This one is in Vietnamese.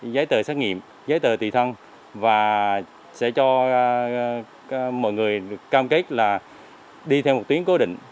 giấy tờ xác nghiệm giấy tờ tùy thân và sẽ cho mọi người cam kết là đi theo một tuyến cố định